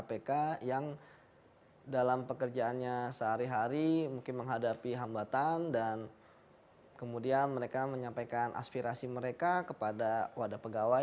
tapi ini dari pegawai kpk yang dalam pekerjaannya sehari hari mungkin menghadapi hambatan dan kemudian mereka menyampaikan aspirasi mereka kepada wadah pegawai